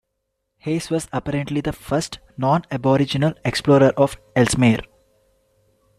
Hayes was apparently the first non-aboriginal explorer of Ellesmere.